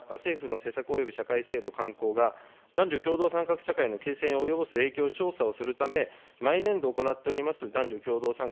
この調査は男女局等が政府の施策および社会制度慣行が男女共同参画社会の形成に及ぼす影響を調査するため、毎年度、行っております